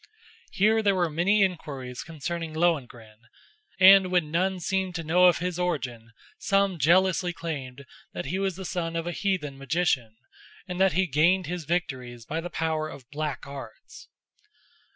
Here there were many inquiries concerning Lohengrin, and when none seemed to know of his origin, some jealously claimed that he was the son of a heathen magician, and that he gained his victories by the power of black arts.